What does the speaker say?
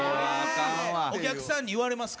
お客さんに言われます？